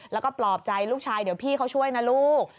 แล้วก็ปลอบใจลูกชายเดี๋ยวพี่เขาช่วยนะลูก